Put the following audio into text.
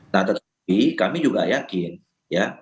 nah tetapi kami juga yakin ya